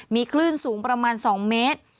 มีคลื่นสูงประมาณ๒เมตร